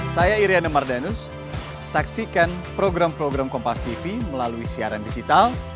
saya iryana mardanus saksikan program program kompastv melalui siaran digital